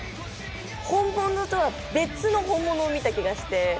本物とは別の本物を見た気がして。